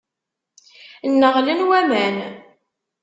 Nneɣlen waman.